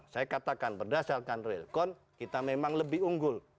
saya katakan berdasarkan real count kita memang lebih unggul